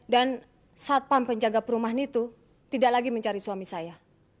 dan satpam penjaga perumahan itu tidak lagi mencari suami saya